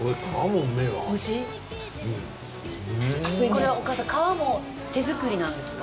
これはお母さん皮も手作りなんですか？